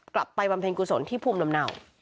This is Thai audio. กลับไปบำเพ็ญกุศลที่ภูมิเหล่า